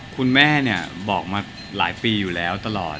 คุณแม่เนี่ยบอกมาหลายปีอยู่แล้วตลอด